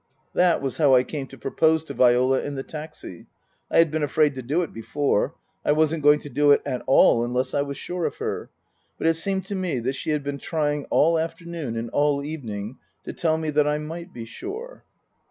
That was how I came to propose to Viola in the taxi. I had been afraid to do it before. I wasn't going to do it at all unless I was sure of her. But it seemed to me that she had been trying all afternoon and all evening to tell me that I might be sure.